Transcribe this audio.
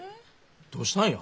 どうしたんや？